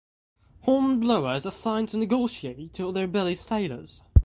Hornblower is assigned to negotiate with the rebellious sailors.